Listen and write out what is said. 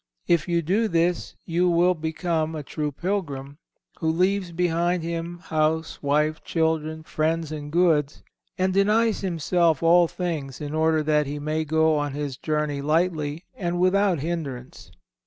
If you do this you will become a true pilgrim, who leaves behind him house, wife, children, friends, and goods, and denies himself all things in order that he may go on his journey lightly and without hindrance.